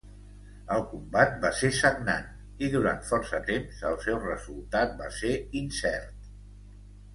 El combat va ser sagnant, i durant força temps el seu resultat va ser incert.